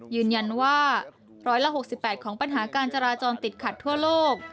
ยืนยันว่า๑๖๘ของปัญหาการจราจรติดขัดทั่วโลก